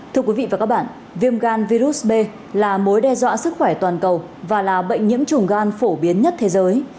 thưa quý vị và các bạn viêm gan virus b là mối đe dọa sức khỏe toàn cầu và là bệnh nhiễm trùng gan phổ biến nhất thế giới